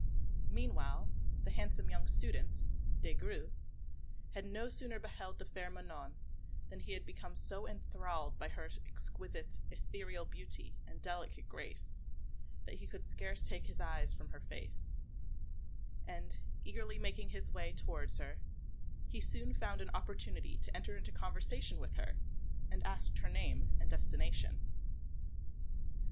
Meanwhile the handsome young student, Des Grieux, had no sooner beheld the fair Manon than he had become so enthralled by her exquisite, ethereal beauty and delicate grace, that he could scarce take his eyes from her face; and eagerly making his way towards her, he soon found an opportunity to enter into conversation with her, and asked her name and destination.